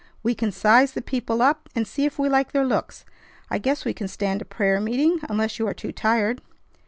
We can size the people up, and see if we like their looks. I guess we can stand a prayer meeting unless you are too tired."